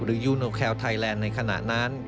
ยูโนแคลไทยแลนด์ในขณะนั้น